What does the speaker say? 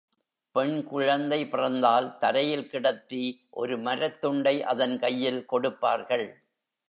பெண் குழந்தை பிறந்தால் தரையில் கிடத்தி ஒரு மரத்துண்டை அதன் கையில் கொடுப்பார்கள்.